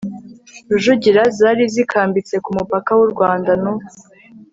rujugira zari zikambitse ku mupaka w'u rwanda n'u